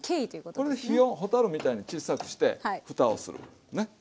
これで火を蛍みたいにちっさくしてふたをするね。